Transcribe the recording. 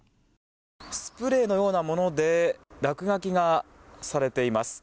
スプレーのようなもので落書きがされています。